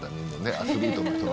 アスリートの。